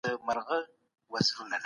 ماشومان باید په آزاده هوا کې لوبې وکړي.